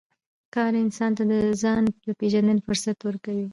کار انسان ته د ځان د پېژندنې فرصت ورکوي